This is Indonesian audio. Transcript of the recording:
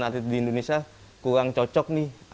atlet di indonesia kurang cocok nih